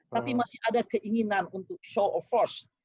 tapi masih ada keinginan untuk show of force